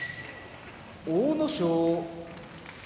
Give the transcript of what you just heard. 阿武咲